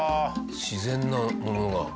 自然なものが。